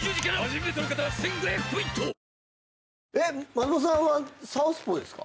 松本さんはサウスポーですか？